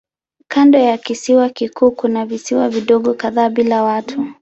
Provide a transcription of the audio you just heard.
Kando ya kisiwa kikuu kuna visiwa vidogo kadhaa bila watu.